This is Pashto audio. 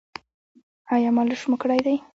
ایا مالش مو کړی دی؟